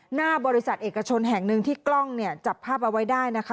หน้าบริษัทเอกชนแห่งหนึ่งที่กล้องเนี่ยจับภาพเอาไว้ได้นะคะ